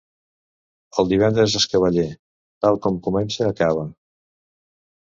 El divendres és cavaller: tal com comença, acaba.